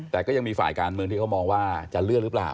แต่ก็ยังมีฝ่ายการเมืองที่เขามองว่าจะเลื่อนหรือเปล่า